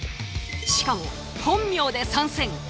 しかも本名で参戦。